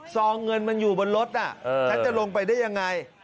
ซองเงินมันอยู่บนรถน่ะฉันจะลงไปได้ยังไง